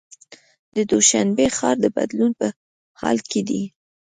د دوشنبې ښار د بدلون په حال کې دی.